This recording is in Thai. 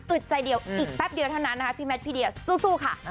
ใจเดียวอีกแป๊บเดียวเท่านั้นนะคะพี่แมทพี่เดียสู้ค่ะ